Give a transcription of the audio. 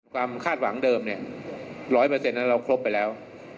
คาดหวังเดิมเนี่ย๑๐๐นั้นเราครบไปแล้ว